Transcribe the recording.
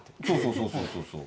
そうそうそうそう。